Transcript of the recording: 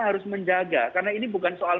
harus menjaga karena ini bukan soal